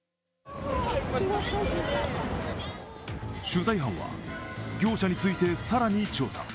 取材班は、業者について更に調査。